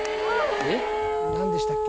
なんでしたっけ？